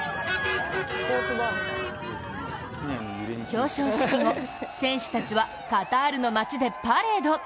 表彰式後、選手たちはカタールの街でパレード。